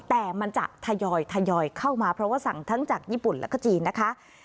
แต่มันจะทยอยเข้ามาเพราะว่าสั่งทั้งจากญี่ปุ่นแล้วก็จีนนะคะ